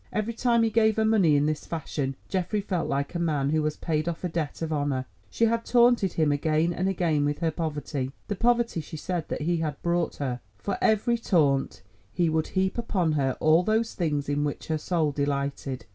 Every time he gave her money in this fashion, Geoffrey felt like a man who has paid off a debt of honour. She had taunted him again and again with her poverty—the poverty she said that he had brought her; for every taunt he would heap upon her all those things in which her soul delighted.